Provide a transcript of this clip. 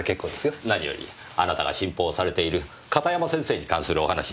何よりあなたが信奉されている片山先生に関するお話です。